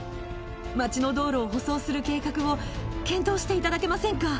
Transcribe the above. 町の道路を舗装する計画を検討していただけませんか？